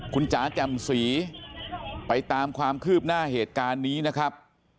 คุณจ๋าแจ่มศรีไปตามความคืบหน้าเหตุการณ์นี้นะครับ